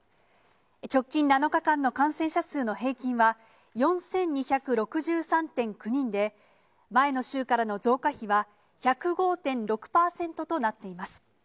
直近７日間の感染者数の平均は４２６３．９人で、前の週からの増加比は１０５．６％となっています。